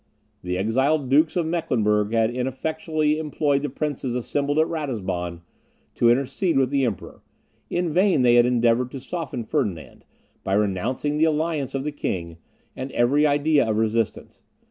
The exiled dukes of Mecklenburg had ineffectually employed the princes assembled at Ratisbon to intercede with the Emperor: in vain they had endeavoured to soften Ferdinand, by renouncing the alliance of the king, and every idea of resistance.